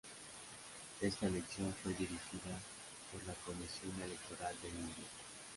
Esta elección fue dirigida por la Comisión Electoral de India.